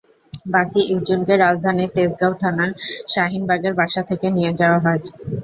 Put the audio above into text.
বাকি একজনকে রাজধানীর তেজগাঁও থানার শাহীনবাগের বাসা থেকে নিয়ে যাওয়া হয়।